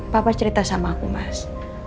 papa cerita sama aku mas